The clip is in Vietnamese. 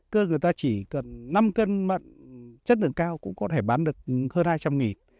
cơ người ta chỉ cần năm cân chất lượng cao cũng có thể bán được hơn hai trăm linh nghìn